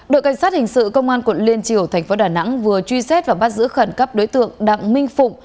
đội cảnh sát hình sự công an quận liên triều thành phố đà nẵng vừa truy xét và bắt giữ khẩn cấp đối tượng đặng minh phụng